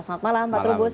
selamat malam pak trubus